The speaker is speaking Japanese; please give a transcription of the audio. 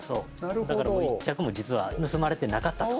だから１着も実は盗まれてなかったと。